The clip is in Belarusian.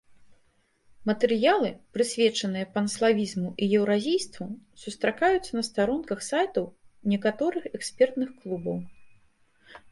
Матэрыялы, прысвечаныя панславізму і еўразійству, сустракаюцца на старонках сайтаў некаторых экспертных клубаў.